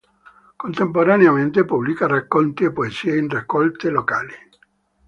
Contemporaneamente pubblica racconti e poesie in raccolte locali.